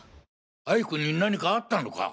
哀君に何かあったのか？